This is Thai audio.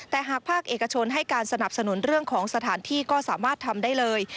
แต่หากภาคเอกชนให้การสนับสนุนเรื่องของสถานที่ก็สามารถทำได้เลย